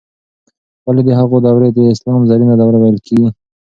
ولې د هغوی دورې ته د اسلام زرینه دوره ویل کیږي؟